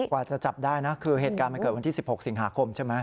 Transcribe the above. กว่าจะจับได้นะคือเหตุการณ์มันเกิดวันที่๑๖สิงหาคมใช่ไหม